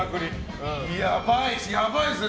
やばいです、やばいですね。